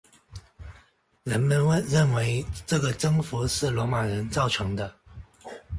人们认为这个增幅是罗马人造成的。